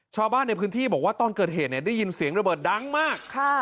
ชาวบ้านในพื้นที่บอกว่าตอนเกิดเหตุเนี่ยได้ยินเสียงระเบิดดังมาก